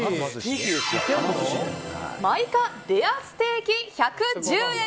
真いかレアステーキ、１１０円。